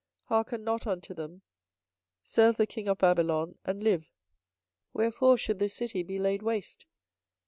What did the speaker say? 24:027:017 Hearken not unto them; serve the king of Babylon, and live: wherefore should this city be laid waste?